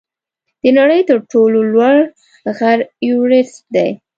د نړۍ تر ټولو لوړ غر ایورسټ دی.